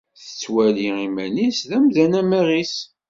Tettwali iman-is d amdan amiɣis.